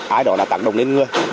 ai đó đã tăng đồng lên ngươi